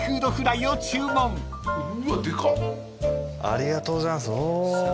ありがとうございますうお。